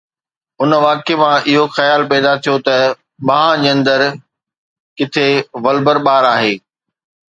ان واقعي مان اهو خيال پيدا ٿيو ته ٻانهن جي اندر ڪٿي ولبر ٻار آهي.